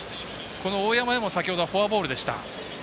大山へも先ほどはフォアボールでした。